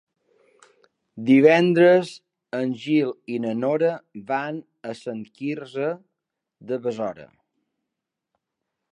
Divendres en Gil i na Nora van a Sant Quirze de Besora.